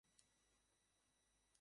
জন্মকাল হইতে লুচি খাইয়াই তো তুমি মানুষ।